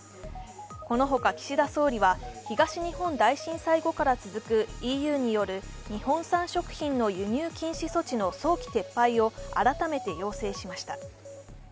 このほか岸田総理は東日本大震災後から続くＥＵによる日本産食品の輸入禁止措置の早期撤廃を改めて要請しました。